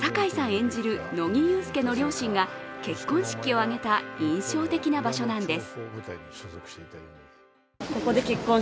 演じる乃木憂助の両親が結婚式を挙げた印象的な場所なんです。